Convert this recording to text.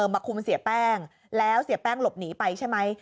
มาคุมเสียแป้งแล้วเสียแป้งหลบหนีไปใช่ไหม